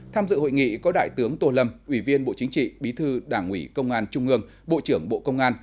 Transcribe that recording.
tham dự hội nghị có đại tướng tô lâm ủy viên bộ chính trị bí thư đảng ủy công an trung ương bộ trưởng bộ công an